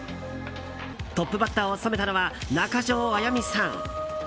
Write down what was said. トップバッターを務めたのは中条あやみさん。